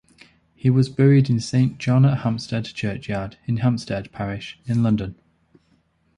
He was buried in Saint John-at-Hampstead churchyard in Hampstead parish in London.